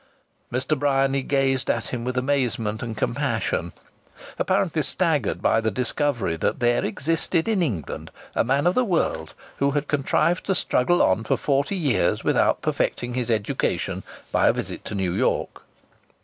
Mr. Bryany gazed at him with amazement and compassion, apparently staggered by the discovery that there existed in England a man of the world who had contrived to struggle on for forty years without perfecting his education by a visit to New York.